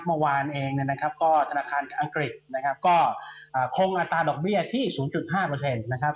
เมื่อวานเองเนี่ยนะครับก็ธนาคารอังกฤษนะครับก็คงอัตราดอกเบี้ยที่๐๕นะครับ